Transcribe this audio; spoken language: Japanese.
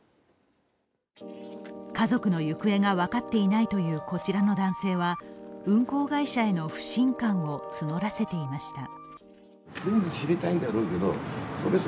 家族の行方が分かっていないというこちらの男性は、運航会社への不信感を募らせていました。